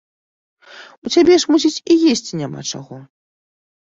У цябе ж, мусіць, і есці няма чаго?